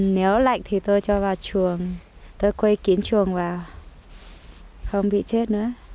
nếu lạnh thì tôi cho vào chuồng tôi quây kín chuồng và không bị chết nữa